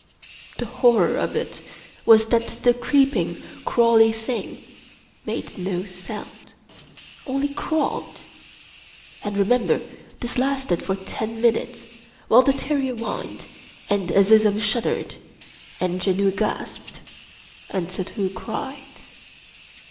The horror of it was that the creeping, crawly thing made no sound — only crawled! And, remember, this lasted for ten minutes, while the terrier whined, and Azizun shuddered, and Janoo gasped and Suddhoo cried.